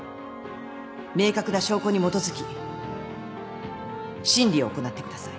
明確な証拠に基づき審理を行ってください。